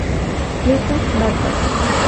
Luisa, বাদ দাও।